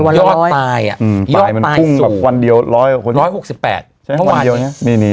ปลายมันพุ่งวันเดียว๑๖๘วันเดียวนี้